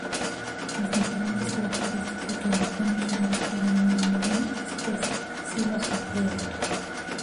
Las diferentes características de la concha dentro de una misma especie así lo sugieren.